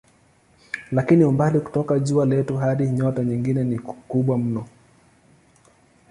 Lakini umbali kutoka jua letu hadi nyota nyingine ni mkubwa mno.